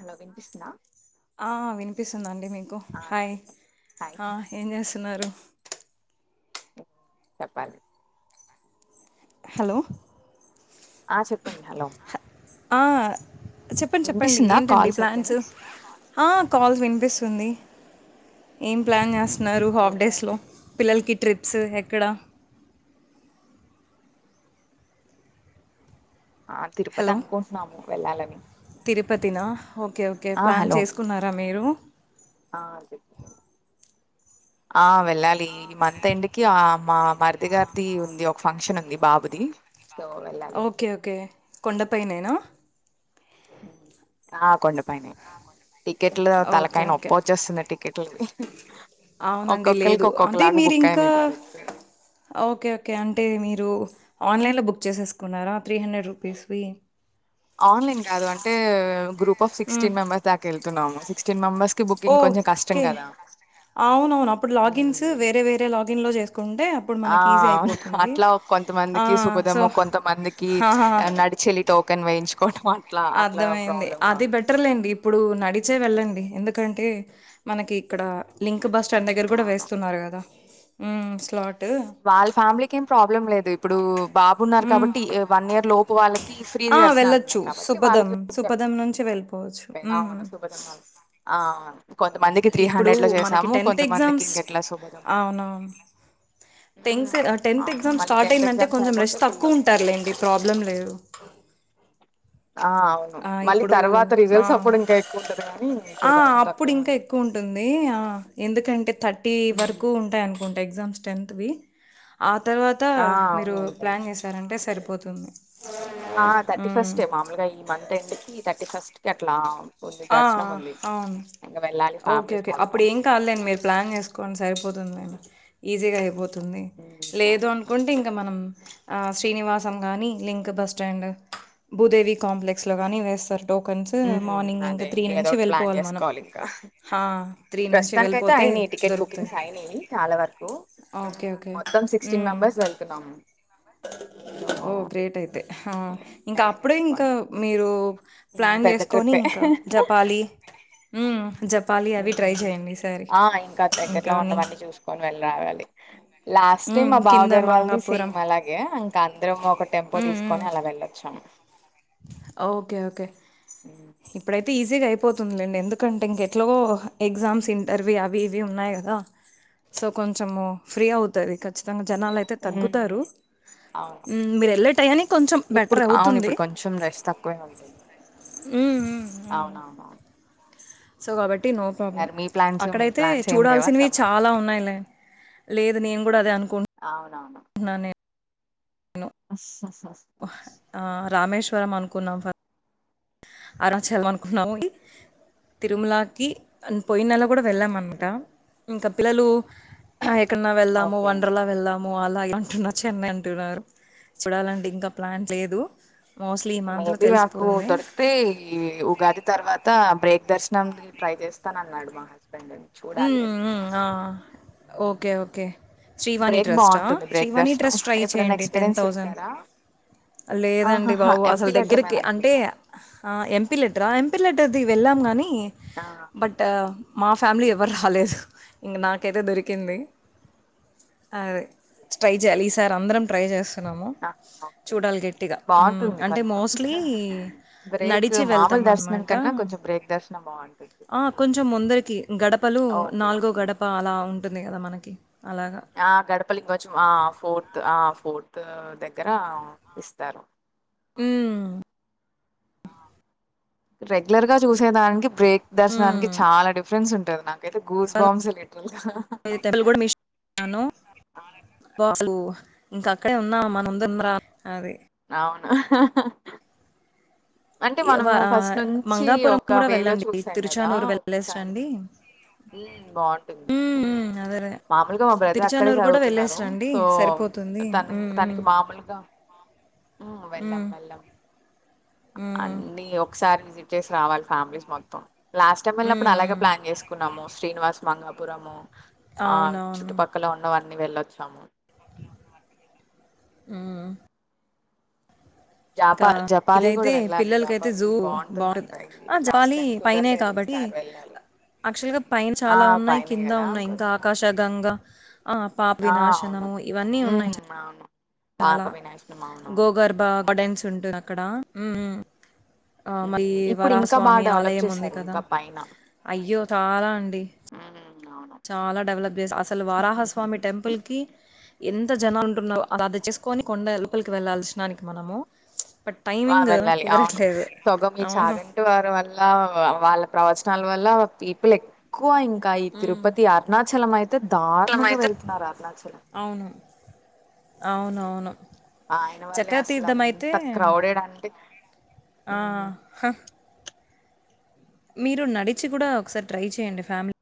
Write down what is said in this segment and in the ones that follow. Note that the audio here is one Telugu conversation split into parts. అలోగన్పిస్తు [unintelligible] ఆ వినిపిస్తుందండి మీకు ఆ హాయ్ చెప్పండి హాయ్ ఏం చేస్తున్నారు చెప్పాలి హలో ఆ చెప్పండి హలో ఆ చెప్పండి చెప్పండి వినిపిస్తుందా ఏంటండి కాల్ సరిగానే ప్లాన్స్ ఆ కాల్స్ వినిపిస్తుంది ఉంది ఏం ప్లాన్ చేస్తారు హాఫ్ ఏ డేస్ లో ఉన్నాయి పిల్లలకి ట్రిప్స్ ఎక్కడ ఆ తిరుపతి హలో అనుకుంటున్నాము వెళ్ళాలని తిరుపతినా ఓకే ఓకే ఆ ప్లాన్ హలో చేసుకున్నారా మీరు ఆ తిరుపతి. ఆ వెళ్ళాలి ఈ మంత్ ఎండ్కి ఆ మా మరిది గారిది ఉంది ఒక ఒక ఫంక్షన్ ఉంది బాబుది సో వెళ్ళాలి ఓకే ఓకే కొండపై నేనా ఆ కొండ పైనే టికెట్లు ఓకే తలకాయ ఓకే నొప్పోచ్చేస్తుంది టికెట్లకి అవునండి లేదు అంటే మీరింకా టికెట్స్ ఓకే ఓకే అంటే మీరు ఆన్లైన్లో బుక్ చేసేసుకున్నారా త్రీ హండ్రెడ్ రూపీస్ వి ఆన్లైన్ కాదు అంటే గ్రూప్ ఆఫ్ హ్మ్. సిక్స్టీన్ మెంబర్స్ దాకా వెళ్తున్నాము సిక్స్టీన్ మెంబెర్స్ ఓ ఓకే అవున అవును అప్పుడు లాగిన్స్ హ్మ్. వేరే వేరే లాగిన్ లో చేసు ఆ అట్లా ఆ! కొంతమందికి సో సుభదము కొంతమందికి ఆ! నడి చ చెల్ టోకన్ వయించు అర్థమయింది అది బెటర్లేండి ఇప్పుడు నడిచే వెళ్ళండి హ్మ్. ఎందుకంటే మనకి ఇక్కడ లింక్ బస్ స్టాండ్ హ్మ్. దగ్గర కూడా అవును. వేస్తున్నారు కదా హమ్ స్లాట్ వాళ్ళ ఫ్యామిలీకి ఏం ప్రాబ్లం లేదు ఇప్పుడు బాబు ఉన్నారు హ్మ్. కాబట్టి వన్ ఇయర్ లోపు వాళ్ళకి ఫ్రీ ఆ! దర్శనాలు వెళ్ళొచ్చు. ఉన్నాయి కాబట్టి సుపదం. వాళ్ళకి సుపదం నుంచి వెళ్ళిపోవచ్చు. అవును హ్మ్. సుభద ఇప్పుడు మనకి టెన్త్ కొంతమందికి ఎగ్జామ్స్ ఇంకెట్లా సుభదం. అవును ఉమ్, టెన్త్ టెన్త్ అవును ఎగ్జామ్ మళ్ళీ స్టార్ట్ టెన్త్ అయిందంటే ఎగ్జామ్స్ కొంచెం అయిపోతే రష్ ఫుల్ తక్కువ వస్తాయి ఉంటారులేండి ప్రాబ్లం లేదు ఆ అవును ఆ మళ్ళీ ఇప్పుడు తర్వాత ఆ రిజల్ట్స్ అప్పుడు ఇంకా ఎక్కువ ఉంటది కానీ ఆ ఇప్పుడు కొంచెం అప్పుడు తక్కువే ఇంకా ఉంటుంది ఎక్కువ ఉంటుంది ఎందుకంటే థర్టీ ఉమ్, వరకు ఉంటాయి టెన్త్ వి ఆ తర్వాత ఆ మీరు అవును ఉంటాయి ప్లాన్ చేశారంటే సరిపోతుంది ఆ థర్టీ ఫస్ట్ హ్మ్. కే మామూలుగా ఈ మంత్ ఎండ్ కి థర్టీ ఫస్ట్ కి అట్లా ఉంది ఆ దర్శనం ఉంది అవును ఇంకా వెళ్ళాలి ఓకే ఫ్యామిలీస్ ఓకే మొత్తం అప్పుడు ఏం కాలేదండి మీరు ప్లాన్ చేసుకొండి సరిపోతుంది ఈజీగా ఉంది ఉమ్, లేదు అదే అనుకుంటే ఇంకా మనం ఆ శ్రీనివాసం గాని link bus stand Bhudevi complex లో గాని వేస్తారు టోకెన్స్ ఉమ్, మార్నింగ్ ఇంకా అదే త్రీ ఇంకేదో నుంచి ఒకటి ప్లాన్ వెళ్ళిపోవాలి మనం చేసుకోవాలి ఇంకా త్రీ నుంచి ప్రస్తుతానికి అయితే వెళ్ళిపోతే అయినాయి టికెట్ దొరుకుతాయి బుకింగ్స్ అయినాయి చాలా వరకు ఉమ్, ఓకే ఓకే మొత్తం సిక్స్టీన్ మెంబర్స్ వెళ్తున్నాము సో ఓ గ్రేట్ అయితే ఆ ఇంకా అరేంజ్ అప్పుడే ఇంకా చేసుకోండి మీరు హ్మ్. ప్లాన్ పెద్ద చేసుకొని ట్రిప్పే ఇంకా జపాలి హ్మ్. జపాలి అవి ట్రై చేయండి ఈసారి. ఆ ఇంకా దగ్గరలో ఉండవన్న చూసుకొని వెళ్ళి రావాలి లాస్ట్ టైమ్ హ్మ్. మా కింద బావగారు వాళ్ళది మంగాపురం. సేమ్ అలాగే ఇంకా అందరం ఒక టెంపో హ్మ్. హ్మ్. తీసుకొని అలా వెళ్ళొచ్చు. హు ఓకే ఓకే ఇప్పుడైతే ఈజిగా అయి పోతుందిలేండి. ఎందుకంటే ఇంకెట్లో ఎగ్జామ్స్, ఇంటర్వ్యూ అవి ఇవి ఉన్నాయి కదా. సో కొంచము ఫ్రీ అవుతాది, ఖచ్చితంగా జనాలు అయితే తగ్గుతారు. హ్మ్. అవును ఉమ్ మీరు వెళ్ళే టైయానికి కొంచెం బెటర్ అవుతుంది. రష్ తక్కువే ఉంటుంది. హ్మ్. హ్మ్. హ్మ్. అవునవునవును సో కాబట్టి నో ప్రాబ్లం మరి మీ ప్లాన్స్ మీ అక్కడైతే ప్లాన్స్ ఏం లేవా చూడాల్సినవి సమ్మర్ కి చాలా ఉన్నాయిలే. లేదు నేను కూడా అదే అను అవును అస్ స్ ఆ రామేశ్వరం అనుకున్నాం ఫ అరుణాచలం అనుకున్నాం తిరుమలకి పోయినన కూడా వెళ్ళాం అన్నమాట హ్మ్. ఇంకా పిల్లలు ఎక్కడన్నా వెళ్దాము ఓకే వండర్లా వెళ్దా ము అలా ఇలా అంటున్నారు, చెన్నై అంటున్నారు చూడాలండి ఇంకా ప్లాన్ లేదు. మోస్ట్లీ ఈ మంత్లో తెలిసిపోతుంది. అయితే ఈ ఉగాది తర్వాత బ్రేక్ దర్శనంకి ట్రై చేస్తాన అన్నాడు మా హస్ బెండ్ చూడాలి హ్మ్. ఇగా హ్మ్. అది ఆ! ఓకే ఓకే శ్రీవాణి బ్రేక్ ట్రస్టా బాగుంటుంది బ్రేక్ శ్రీవాణి దర్శనం ట్రస్ట్ ట్రై ఎప్పుడైనా చేయండి టెన్ ఎక్స్పీరియన్స్ థౌజండ్. చేసారా లేదండి ఆహాహా బాబు ఎంపీ అసలు లెటర్ మీద దగ్గరికి అంటే అనుకుంటా ఆ ఎంపీ లెటర్ ఎంపీ లెటర్ది వెళ్ళాం గాని ఆ! బట్ మాఫ్ ఫ్యామిలీ ఎవరు రాలేదు, ఇంగ నాకైతే దొరికింది. అదే ట్రై చేయ్యాలి, ఈ సార్ అందరం ట్రై చేస్ తున్నాము ఆహా! ఓకే. చూడాలి గట్టిగా ఉమ్ బావుంటుంది అంటే కొంచెం. మోస్ట్లీ బ్రేక్ నడిచి వెళ్తా మామూలు ము దర్శనం అన్నమాట కన్నా కొంచెం బ్రేక్ దర్శనం బావుంటుంది. ఆ కొంచెం ముందరికి గడపలు ఓకే. నాలుగో ఓకే. గడప అలా ఉంటుంది కదా మనకి అలాగా. ఆ గడపలికి వ చ్చి ఆ ఫోర్త్ ఆ ఫోర్త్ దగ్గర ఇస్తారు. హు రెగ్యులర్ గా చూసేదానికి బ్రేక్ దర్శనానికి చాలా డిఫరెన్స్ ఉంటది నాకు [inaudible] తెరలు కూడా [inaudible] న్నాను హ్మ్. అబ్బ అసలు ఇంకా అక్కడే ఉన్నా మా ముందరా ఉన్నరా అది అవునా అంటే ఈ వ మనము ఫస్ట్ ఆహ్, నుంచి మంగాపురం ఒక గూడా వేలో వెళ్ళండి. చూసాం కదా తిరుచానూరు వెళ్ళేసి ఒక్కసారి రండి. ఉమ్ బావుంటుంది హ్మ్. ఉమ్ హ్మ్. అదే. అదే. మామూలుగా మా బ్రదర్ అక్కడే తిరుచానూరు గూడా వెళ్ళేసి చదువుతున్నారు, రండి. సో సరిపోతుంది. తన హ్మ్. హ్మ్. తనకి మామూలుగా ఉ వెళ్లం హ్మ్. వెళ్లం హ్మ్. హ్మ్. అన్ని ఒక్కసారి విజిట్ చేసి రావాలి ఫ్యామిలీస్ మొత్తం లాస్ట్ టైం వెళ్ళినప్పుడు అలాగే హ్మ్. ప్లాన్ చేసుకున్నాము. శ్రీనివాస్ మంగాపురము ఆ అవునవును. చుట్టుపక్కల ఉన్నవన్నీ వెళ్ళొచ్చాము. హు హు జాపా జపాలి కూడా ఇదైతే వెళ్ళాలి పిల్లలకైతే జాపాలి జూ బాగుంటుందంట బావుంటది. ఆ! లాస్ట్ జపాలి టైం కుదరలేదు. ఈసారి వెళ్లాలి. యాక్చువల్ గా పైన చాలా ఉన్నాయి, కింద ఉన్నాయి ఇంకా కొంచెం ఆకాశగంగా ఆ పాప ఆ అవును వినాశనము ఇవన్నీ హ్మ్ ఉన్నాయి. అవును పాప చాలా వినాశనం అవునవును గోగర్భ గార్డెన్స్ ఉంటుంది అక్కడ హు హు ఆ మళ్లీ హ్మ్ ఇప్పుడు ఇంకా బాగా వరాహస్వామి డెవలప్ ఆలయం ఉంది చేశారు కదా ఇంకా పైన అయ్యో చాలా అండి హ్మ్ అవును చాలా డెవలప్ చేస అసలు వారాహస్వామి టెంపుల్ కి ఎం ఎంత జనాలు ఉంటున్నాో అ అది చేసుకొని కొండ లోపలికి వెళ్ళాల్సిననికి మనము బట్ ఆ టైమింగ్ వెళ్ళాలి అవును కుదరట్లేదు. సొగ మీ అవును. చాగంట వారి వల్ల వాళ్ళ ప్రవచనాలు వల్ల పీపుల్ ఎక్కువ ఇంకా ఈ తిరుపతి అరుణాచలం అయితే అతే దారుణంగా లమైతే వెళ్తున్నారు అరుణాచల అవును. అవునవును ఆయన వల్లే అసలు చక్రతీర్థమైతే ఇంత క్రౌడెడ్ అంటే ఆ హ్మ్ హ మీరు నడిచి కూడా ఒకసారి ట్రై చేయండి ఫ్యామిలీ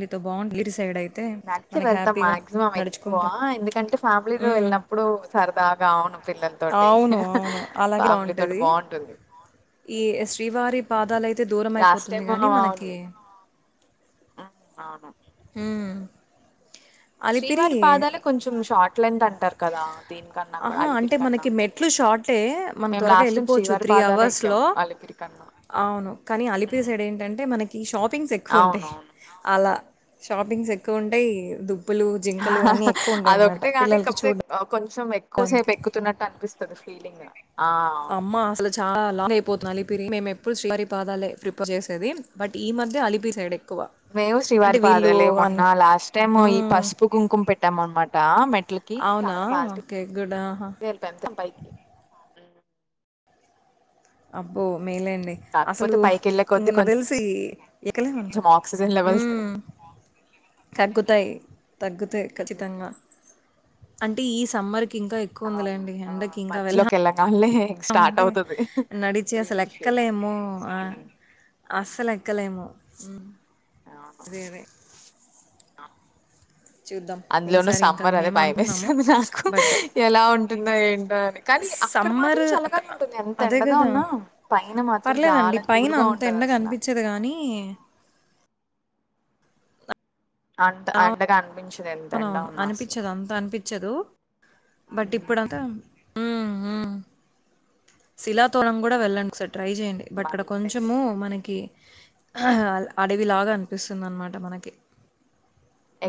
ళ్లితో బాగుంది ఇ టు సైడ్ అయితే నడిచి వెళ్తాం మాక్సిమం ఎక్కువ ఎందుకంటే ఫ్యామిలీతోో హ్మ్. వెళ్ళినప్పుడు సరదాగా అవును పిల్లల తోటి అవును. అవును. అలాగే ఫ్యామిలీ తోటి బావుంటది. బాగుంటుంది ఈ శ్రీవారి పాదాలయితే దూరం అయిపోతుంది కానీ మనకి ఉ అవును ఉమ్ శ్రీవారి పాదాలే కొంచెం షార్ట్ లెంత్ అంటారు కదా దీని కన్నా కూడా ఆహా! అంటే అలిపిరి కన్నా మనకి మెట్లు షార్టే. మనం మేం త్వరగా లాస్ట్ టైం ఎళ్ళిపోవచ్చు శ్రీవారి పాదాలే ఎక్కాం అవర్స్‌లో. అలిపిరి టి కన్నా అవును కానీ అలిపిరి ఉమ్, సైడ్ ఏంటంటే మనకి షాపింగ్స్ ఎక్కువ ఉంటాయి అవునవును అలా షాపింగ్స్ ఎక్కువ ఉంటాయి దు అదొక్కటే పిల్లలకి గానికప్తే చూడ్డా కొంచం కొంచెం ఎక్కువ సేపు ఎక్కుతున్నట్టు అనిపిస్తుంది ఫీలింగ్ ఆ అవును అమ్మా అసలు చాలా లాంగ్ అయిపోతుంది అలిపిరి మేము ఎప్పుడు శ్రీహరి పాదాలే ప్రిపేర్ చేసేది బట్ ఈ మధ్య అలిపిరి సైడ్ ఎక్కువ. మేము అంటే శ్రీవారి వీళ్ళు పాదాల మొన్న అన్ని లాస్ట్ టైమ్ ఈ హ్మ్. పసుపు కుంకుమ పెట్టామ అనమాట మె కి అవునా? చాలా ఫాస్ట్ ఓకే. గుడ్. ఆహా! త పైకి అబ్బో మేలేండి అసలు కాకపోతే పైకి వెళ్ళే ఇంక కొద్దీ నాకు తెలిసి ఎక్కలేనండి కొంచెం ఆక్సిజన్ లెవెల్స్ ఉమ్ తగ్గుతాయి తగ్గుతాయి కచ్చితంగా అంటే ఈ సమ్మర్ ఇంకా ఎక్కువ అవును ఉందలేండి ఆ ఎండకి ఇంకా వెళ్ళం మధ్యలోకి వెళ్ళగానే స్టార్ట్ అంటే అవుతది నడిచి అసలు బ్రీత్ ఇష్యూ ఎక్కలేమో ఆ అస్సలు ఎక్కలేమో అవును అదే అదే చూద్దాం. అందులో ఉన్న ఈసారి ఇంకా సమ్మర్ అదే మేము భయమే అనుకుంటున్నాము. స్తుంది నాకు బట్ ఎలా ఉంటుందో ఏంటో అని కానీ అక్కడ సమ్మర్ మాత్రం క చల్లగానే ఉంటుంది ఎంత అదే ఎండగా కదా! ఉన్నా పైన మాత్రం చాలా కూల్గా ఉంటంది కనిపించదు కానీ అంత అంతగా అనిపించదు ఎంత ఎండ అవునవును ఉన్నా అసలు అనిపించదు అంత అనిపించదు బట్ ఉమ్, ఇప్పుడంతా శిలాతోలం కూడా వెళ్ళండి ఒక సార్ ట్రై చేయండి బట్ ఇక్కడ మంత్ ఎండ్ కొంచెము కదా మనకి అడవిలాగా అనిపిస్తుంది అనమాట మనకి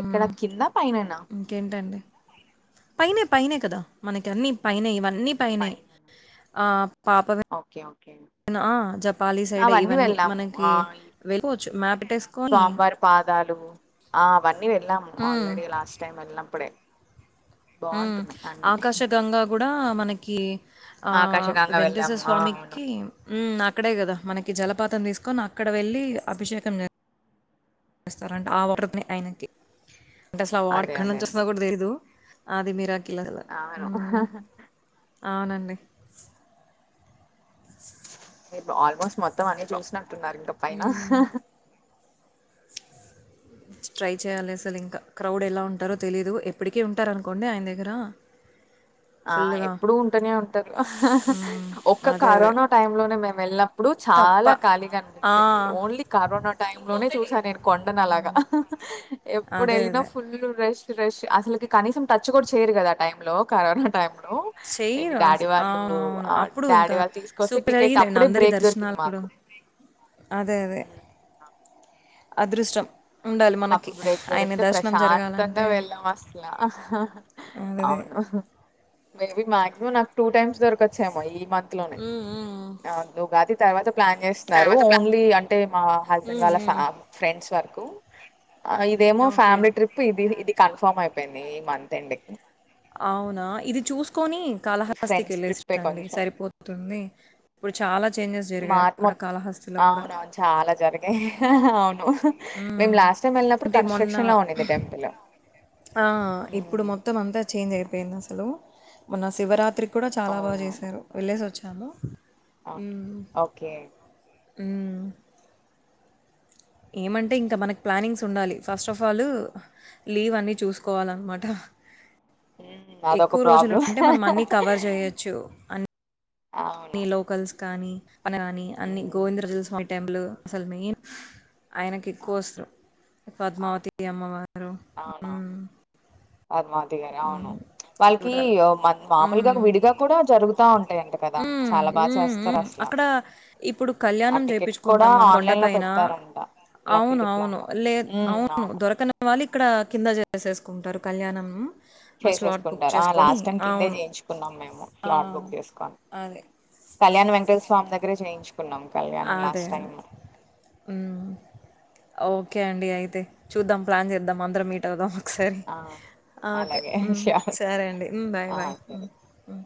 ఎక్కడ కింద పైనన్న ఇంకేంటండి? పైనే పైనే కదా మనకి అన్ని పైనే ఇవన్నీ పైనే పైననా ఆ ఓకే ఓకే నా జపాలి సైడ్ అవన్నీ ఇవన్నీ వెళ్ళాము మనకి ఆ ఈ వెళ్ళకోవచ్చు మ్యాప్ స్వామివారి పాదాలు ఆ అవన్నీ వెళ్ళాము హ్మ్. ఆల్రెడీ లాస్ట్ టైం వెళ్ళినప్పుడే బాగుంటున్నాయి అన్ని ఆకాశ గంగా కూడా మనకి ఆకాశగంగ వెంకటేశ్వర వెళ్ళాము ఆ స్వామి అవును కీ అక్కడే కదా మనకి జలపాతం తీసుకొని అక్కడ వెళ్ళలి అభిషేకం స్తారు అంటే ఆ ఉమ్, వాటర్ నే ఆయనకి అంటే అసలు ఆ వాటర్ అదే అదే ఎక్కనుంచి అదే వస్తుఉందో కూడా తెలీదు ఆది మీరా కిలగ అవును అవునండి మీరు ఆల్మోస్ట్ మొత్తం అన్ని చూసినట్టున్నారు ఇంక పైన హ్మ్. ట్రై చేయాలి అసలు ఇంకా క్రౌడ్ ఎలా ఉంటారో తెలీదు ఎప్పటికీ ఉంటారనుకోండి ఆయన దగ్గర అ ఆ ఫుల్లుగా. ఎప్పుడు ఉంటూనే ఉంటారు. హ్మ్. ఒక్క అదే. అదే. కరోనా టై లోనే మేము వెళ్ళాం ఇప్పుడు తప్ప. చాలా ఖాళీగా ఆ! అనిపించింది. ఓన్లీ కరోనా టై లోనే చూసాను నేను కొండనలాగా ఎప్పుడు అదే. ఏళ్లిన అదే. ఫుల్ రెష్ రెష్ అసలుకి కనీసం టచ్ కూడా చేయరు కదా ఆ టైమ్ లో కరోనా టైమ్ లో నో ఇగా చెయ్యరు అస్ డాడీ వాళ్ళు, అవునవును ఆ అప్పుడు డాడీ ఇంకా వాళ్ళు తీసుకొస్తే సూపర్ టికెట్ జరిగిందండి అప్పుడే అందరి బ్రేక్ దొరికింది దర్శనాలు కూడా మాకు ఆ అదే అదే అదృష్టం ఉండాలి మనకి అప్పుడు బ్రేక్ ఆయన దొరికితే దర్శనం ప్రశాంతంగా జరగాలంటే వెళ్ళాం అసలా అదదే అవును మేబీ మాక్సిమమ్ నాకు టూ టైమ్స్ దొరకొచ్చేమో ఈ మంత్ లోనే హ్మ్ హ్మ్ అవున్ ఉగాది తర్వాత ప్లాన్ చేస్తున్నారు తర్వాత ప్లా ఓన్లీ అంటే మా హస్బెండ్ హ్మ్ వాళ్ళ హ్మ్ ఫామ్ ఫ్రెండ్స్ వరకు ఆ ఇదేమో ఓకే ఫ్యామిలీ ట్రిప్ ఇది ఇది కన్ఫర్మ్ అయిపోయింది ఈ మంత్ ఎండ్కి అవునా ఇది చూస్ కొని ఈ కాళహస్తికి ఫ్రెండ్స్ ట్రిప్పే ఏలేసిరండి కొంచెం సరిపోతుంది. ఇప్పుడు చాలా చేంజెస్ మా జరిగాయి అక్కడ మొత్ కాళహస్తిలో కూడా అవునవును చాలా జరిగాయి అవును మేము హ్మ్ లాస్ట్ టైం వెళ్ళినప్పుడు కన్స్ట్రక్షన్ లో ఉండింది. టెంపుల్ ఆఆ ఇప్పుడు హ్మ్. మొత్తం అంతా చేంజ్ అయి పేయింది. అసలు మొన్న సివరాత్రికి కూడా చాలా బాగా చేశారు వెళ్ళేసి వచ్చాను. ఆ ఓకే హుమ్ ఏమంటే ఇంకా మనకి ప్లానింగ్స్ ఉండాలి. ఫస్ట్ ఆఫ్ ఆల్ లీవ్ అన్నీ చూసుకోవాలన్నమాట హ్మ్. అదొక ఎక్కువ ప్రాబ్లమ్. రోజులుంటే, మనం అన్ని కవర్ చేయొచ్చు. అన్ మీ అవును. లోకల్స్ కానీ పన్నారని అన్ని హ్మ్. గోవిందరాజు స్వామి టెంపుల్ అసలు మెయిన్ ఆయనకు అవును. ఎక్కువ అస్తరు. అవును. పద్మావతి అమ్మవారు హు హిగారావును వాళ్ళకి చూడాలి. ఓ మన్ మామూలుగా హ్మ్. విడిగా కూడా జరుగుతా ఉంటాయంట కదా హ్మ్. చాలా బాగా హ్మ్. చేస్తారు హ్మ్. అసలు అక్కడ ఇప్పుడు ఆ కళ్యాణం టికెట్స్ కూడా జెపించుకుంటాం మన కొండ ఆన్లైన్ లో పైన పెడతారంట లక్కీ అవును డిప్ అవును లాగా లేద్ అవును దొరకని వాళ్ళు ఇక్కడ కింద జేసేసుకుంటారు కళ్యాణం మ్ చేసేసుకుంటారు. ఆ లాస్ట్ టైం కిందే అవును. చేయించుకున్నాం మేము ఆ! స్లాట్ బుక్ జేసుకొని అదే. అదే. కళ్యాణ వెంకటేస్ స్వామి దగ్గరే జేయించు కున్నం కళ్యాణం అదే. లాస్ట్ టైము హ్మ్. ఓకే అండి. అయితే చూద్దాం, ప్లాన్ చేద్దాం, అందరం మీట్ అవుదాం. స్కరి ఆ ఆ ఓకే అలాగే హు షూర్ సరే అండి. హు బాయ్ ఆ బాయ్ హు సరే హు